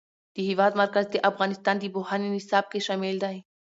د هېواد مرکز د افغانستان د پوهنې نصاب کې شامل دي.